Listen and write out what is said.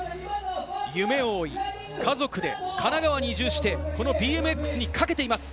夢を追い、家族で神奈川に移住して、このＢＭＸにかけています。